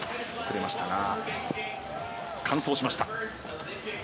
完走しました。